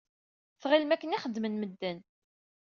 Tɣilem akken i xeddmen medden?